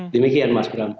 demikian mas bram